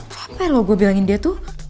capek loh gue bilangin dia tuh